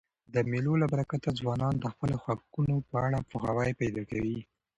د مېلو له برکته ځوانان د خپلو حقوقو په اړه پوهاوی پیدا کوي.